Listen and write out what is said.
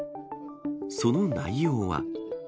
その内容は。